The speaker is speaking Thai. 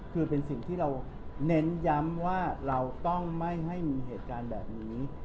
คือเป็นสิ่งที่เราเน้นย้ำว่าเราต้องไม่ให้มีเหตุการณ์แบบนี้